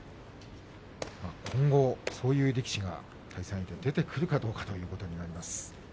今後そういう力士が対戦相手で出てくるかどうかというところだと思います。